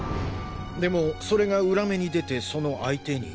でもそれが裏目に出てその相手に？